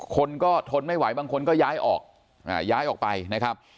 คนก็ทนไม่ไหวบางคนก็ย้ายออกย้ายออกไปนะครับ